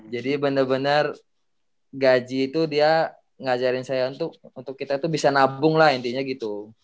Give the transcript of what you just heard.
jadi bener bener gaji itu dia ngajarin saya untuk kita tuh bisa nabung lah intinya gitu